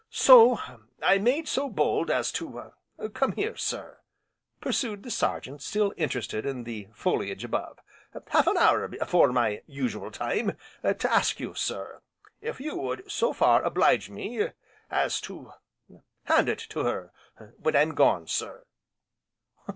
"So I made so bold as to come here sir," pursued the Sergeant still interested in the foliage above, "half an hour afore my usual time to ask you, sir if you would so far oblige me as to hand it to her when I'm gone, sir."